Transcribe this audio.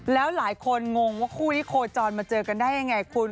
แล้วหลายคนงงว่าคู่นี้โคจรมาเจอกันได้ยังไงคุณ